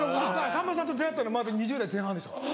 さんまさんと出会ったのまだ２０代前半でしたもん。